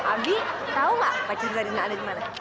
abi tau gak pacar zarina ada dimana